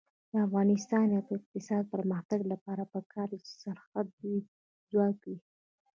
د افغانستان د اقتصادي پرمختګ لپاره پکار ده چې سرحدي ځواک وي.